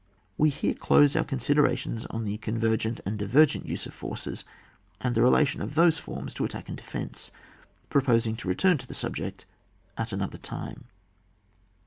We here close our considerations on the convergent and divergent use of forces, and the relation of those forms to attack and defence, proposing to re turn to the subject at another time.